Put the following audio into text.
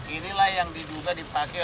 ini layar yang dikemarin pada saat kemarin